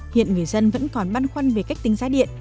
hiện người dân vẫn còn băn khoăn về cách tính giá điện